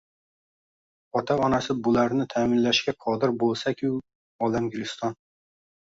Ota-onasi bularni taʼminlashga qodir boʻlsa-ku, olam guliston